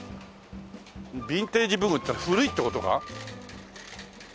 ビンテージ文具っていったら古いって事か？